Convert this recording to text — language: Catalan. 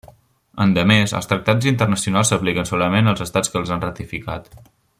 Endemés, els tractats internacionals s'apliquen solament als estats que els han ratificat.